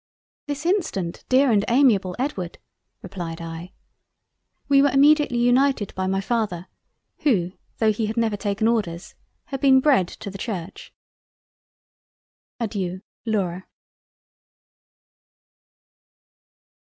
"This instant, Dear and Amiable Edward." (replied I.). We were immediately united by my Father, who tho' he had never taken orders had been bred to the Church. Adeiu. Laura.